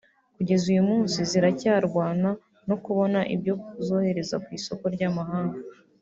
kugeza uyu munsi ziracyarwana no kubona ibyo zohereza ku isoko ry’amahanga